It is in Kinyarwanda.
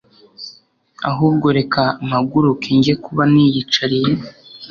ahubwo reka mpaguruke njye kuba niyicariye